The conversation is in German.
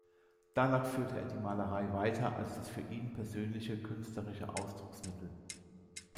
Danach führte er die Malerei weiter als das für ihn persönliche künstlerische Ausdrucksmittel.